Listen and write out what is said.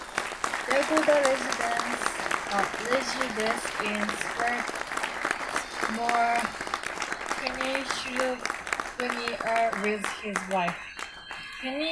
Yagoda resides in Swarthmore, Pennsylvania with his wife.